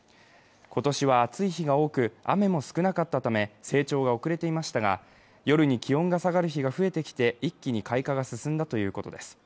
今年は暑い日が多く雨も少なかったため、成長が遅れていましたが、夜に気温が下がる日が増えてきて、一気に開花が進んだということです。